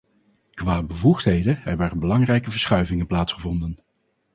Qua bevoegdheden hebben er belangrijke verschuivingen plaatsgevonden.